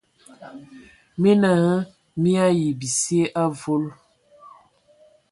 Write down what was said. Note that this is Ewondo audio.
Mina hm mii ayi bisie avol.